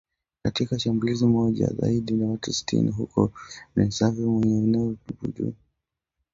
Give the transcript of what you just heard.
Katika shambulizi moja, zaidi ya watu sitini huko Plaine Savo kwenye eneo la Djubu waliuawa hapo Februari mosi.